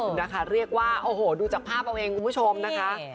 นะคะเรียกว่าโอ้โหดูจากภาพเอาเองคุณผู้ชมนะคะ